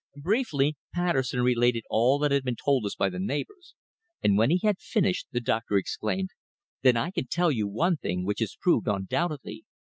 Briefly Patterson related all that had been told us by the neighbours, and when he had finished the doctor exclaimed "Then I can tell you one thing which is proved undoubtedly.